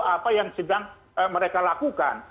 apa yang sedang mereka lakukan